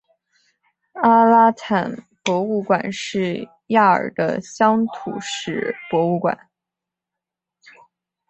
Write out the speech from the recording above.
阿拉坦博物馆是亚尔的乡土史博物馆。